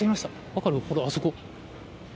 分かる、ほらあそこ。